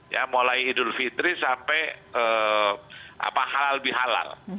ya mulai idul fitri sampai halal bihalal